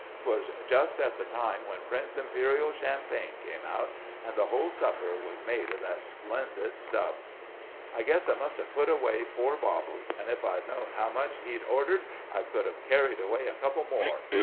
'Twas just at the time when Prince Imperial Champagne came out, and the whole supper was made of that splendid stuff. I guess I must have put away four bottles, and if I'd known how much he'd ordered, I could have carried away a couple more.